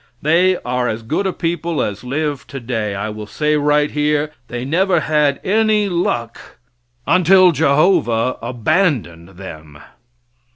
They are as good a people as live today. I will say right here, they never had any luck until Jehovah abandoned them.